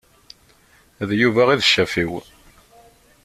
D Yuba i d ccaf-iw.